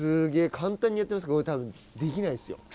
簡単にやってますけどこれ、多分できないですよ。